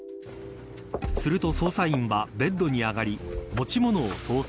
すると、捜査員はベッドに上がり持ち物を捜索。